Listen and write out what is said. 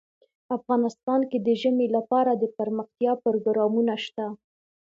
افغانستان کې د ژمی لپاره دپرمختیا پروګرامونه شته.